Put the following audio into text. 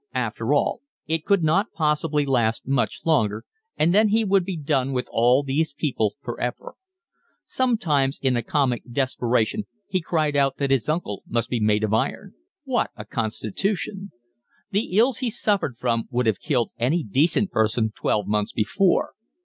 After all it could not possibly last much longer, and then he would be done with all these people for ever. Sometimes in comic desperation he cried out that his uncle must be made of iron. What a constitution! The ills he suffered from would have killed any decent person twelve months before.